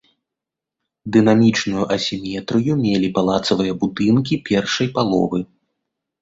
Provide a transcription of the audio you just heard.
Дынамічную асіметрыю мелі палацавыя будынкі першай пал.